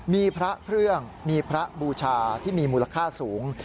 มีพระเครื่องมีพระบูชาที่มีมูลค่าสูง